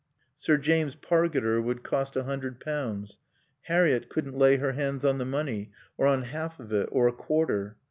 Sir James Pargeter would cost a hundred pounds. Harriett couldn't lay her hands on the money or on half of it or a quarter.